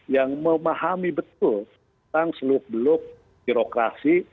yang memahami betul tentang seluk beluk birokrasi